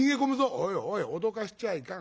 「おいおい脅かしちゃいかん。